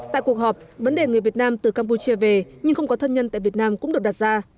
tại cuộc họp vấn đề người việt nam từ campuchia về nhưng không có thân nhân tại việt nam cũng được đặt ra